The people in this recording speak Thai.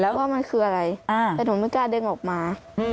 แล้วว่ามันคืออะไรแต่หนูไม่กล้าดึงออกมา